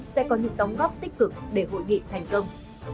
sẽ có những đóng góp tích cực để hội nghị thành công